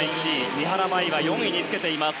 三原舞依が４位につけています。